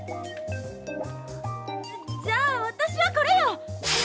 じゃあ私はこれよ！